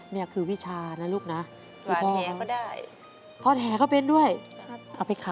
นี่คือวิชานะลูกนะ